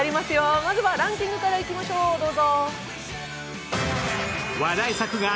まずはランキングからいきましょう、どうぞ。